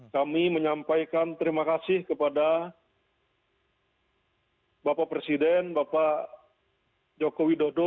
kami menyampaikan terima kasih kepada bapak presiden bapak joko widodo